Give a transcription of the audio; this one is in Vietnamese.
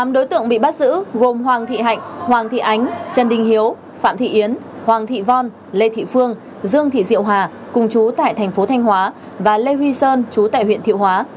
tám đối tượng bị bắt giữ gồm hoàng thị hạnh hoàng thị ánh trần đình hiếu phạm thị yến hoàng thị von lê thị phương dương thị diệu hà cùng chú tại thành phố thanh hóa và lê huy sơn chú tại huyện thiệu hóa